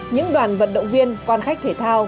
những đoàn vận động viên quan khách thể thao